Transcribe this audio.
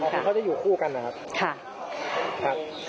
เขาจะอยู่คู่กันหรือครับ